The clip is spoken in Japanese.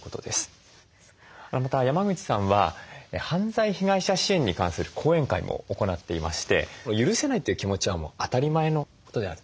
また山口さんは犯罪被害者支援に関する講演会も行っていまして許せないという気持ちは当たり前のことであると。